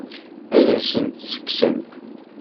Ad asen-tt-tekksem?